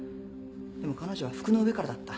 でも彼女は服の上からだった。